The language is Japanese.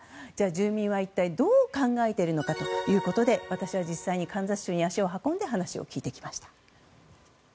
住民は一体どう考えているのかということで私は実際にカンザス州に足を運んで話を聞いてきました。